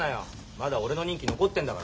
まだ俺の任期残ってんだからさ。